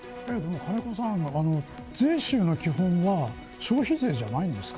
金子さん、税収の基本は消費税じゃないですか。